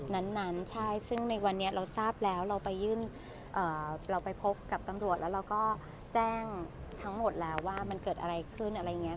นั้นใช่ซึ่งในวันนี้เราทราบแล้วเราไปยื่นเราไปพบกับตำรวจแล้วเราก็แจ้งทั้งหมดแล้วว่ามันเกิดอะไรขึ้นอะไรอย่างนี้